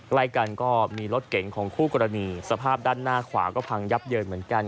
ใกล้กันก็มีรถเก๋งของคู่กรณีสภาพด้านหน้าขวาก็พังยับเยินเหมือนกัน